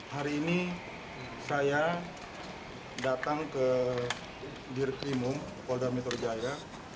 hari ini saya datang ke dirkrimung poldar metro jaya